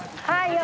はい。